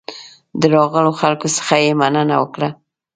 د راغلو خلکو څخه یې مننه وکړه.